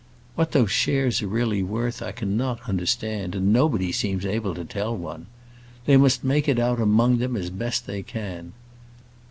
"What those shares are really worth I cannot understand, and nobody seems able to tell one. They must make it out among them as best they can.